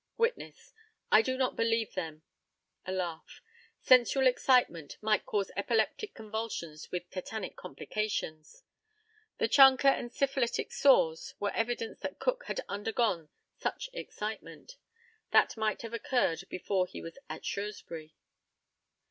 Witness. I do not believe them. (A laugh.) Sensual excitement might cause epileptic convulsions with tetanic complications. The chancre and syphilitic sores were evidence that Cook had undergone such excitement. That might have occurred before he was at Shrewsbury.